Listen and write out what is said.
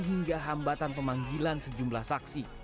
hingga hambatan pemanggilan sejumlah saksi